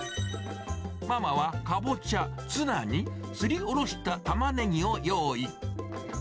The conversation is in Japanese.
ママはカボチャ、ツナに、すりおろしたタマネギを用意。